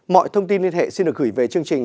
mọi thông tin liên hệ xin được gửi về chương trình